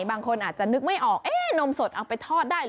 บางคนอาจจะนึกไม่ออกเอ๊ะนมสดเอาไปทอดได้เหรอ